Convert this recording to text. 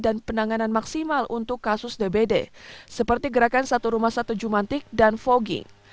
dan penanganan maksimal untuk kasus dbd seperti gerakan satu rumah satu jumantik dan vogueing